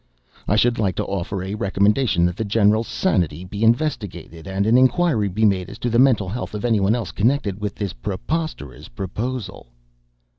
I should like to offer a recommendation that the general's sanity be investigated, and an inquiry be made as to the mental health of anyone else connected with this preposterous proposal!"